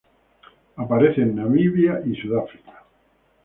Aparece en Namibia y Sudáfrica.